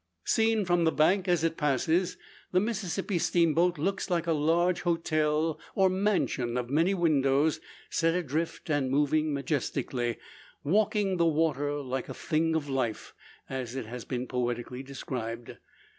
Seen from the bank, as it passes, the Mississippi steamboat looks like a large hotel, or mansion of many windows, set adrift and moving majestically "walking the water like a thing of life," as it has been poetically described.